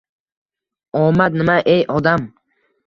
— Omad nima, ey odam?